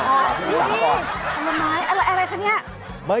อ๋อนี่นี่ของไม้อะไรค่ะเนี่ย